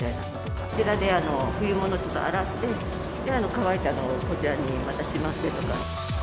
こちらで冬物とか、洗って乾いたのをこちらにまたしまってとか。